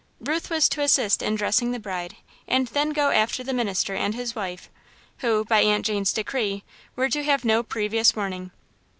Ruth was to assist in dressing the bride and then go after the minister and his wife, who, by Aunt Jane's decree, were to have no previous warning.